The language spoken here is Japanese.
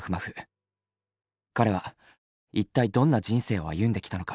彼は一体どんな人生を歩んできたのか。